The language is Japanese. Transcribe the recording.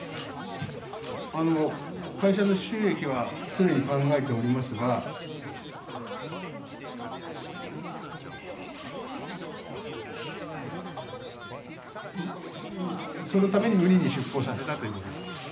会社の収益は常に考えておりますがそのために無理に出航させたということですか。